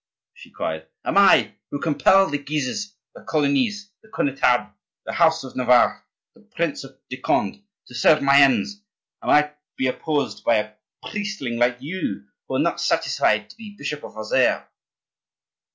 she cried, "am I, who compel the Guises, the Colignys, the Connetables, the house of Navarre, the Prince de Conde, to serve my ends, am I to be opposed by a priestling like you who are not satisfied to be bishop of Auxerre?"